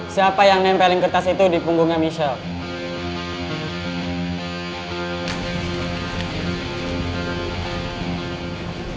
siapa yang nempelin kertas itu di punggungnya michelle